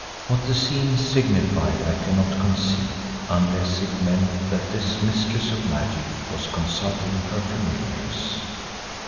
What the scene signified I cannot conceive, unless it meant that this mistress of magic was consulting her familiars.